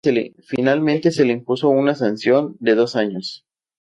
Finalmente se le impuso una sanción de dos años.